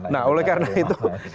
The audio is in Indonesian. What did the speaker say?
nah oleh karena itu